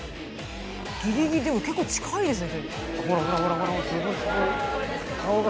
ギリギリ結構近いですね距離。